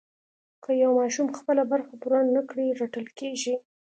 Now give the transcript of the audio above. که یو ماشوم خپله برخه پوره نه کړي رټل کېږي.